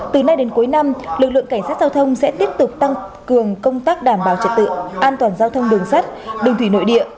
từ nay đến cuối năm lực lượng cảnh sát giao thông sẽ tiếp tục tăng cường công tác đảm bảo trật tự an toàn giao thông đường sắt đường thủy nội địa